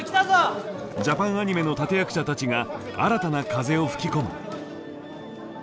ジャパンアニメの立て役者たちが新たな風を吹き込む。